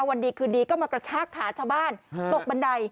วันดีคืนดีก็มากระชากขาชาวบ้านตกบันได